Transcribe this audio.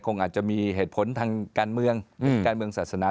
คงอาจจะมีเหตุผลทางการเมืองการเมืองศาสนา